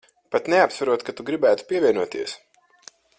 Pat neapsverot, ka tu gribētu pievienoties.